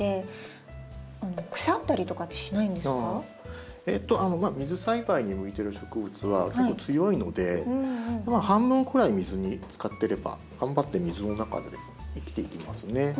こうやって水に浸けるって水栽培に向いてる植物は強いので半分くらい水に浸かってれば頑張って水の中で生きていきますね。